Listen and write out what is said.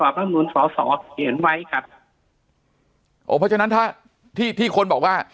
รัฐมนุนสอสอเขียนไว้ครับโอ้เพราะฉะนั้นถ้าที่ที่คนบอกว่า